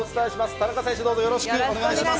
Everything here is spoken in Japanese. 田中選手、どうぞよろしくお願いします。